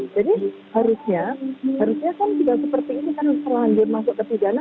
jadi harusnya harusnya kan tidak seperti ini kan kalau langsung masuk ke pidana